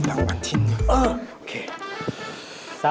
รางวัลที่หนึ่งเออโอเค